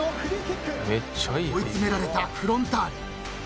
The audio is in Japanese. ［追い詰められたフロンターレ。